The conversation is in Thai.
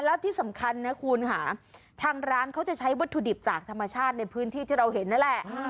แล้วที่สำคัญนะคุณค่ะทางร้านเขาจะใช้วัตถุดิบจากธรรมชาติในพื้นที่ที่เราเห็นนั่นแหละ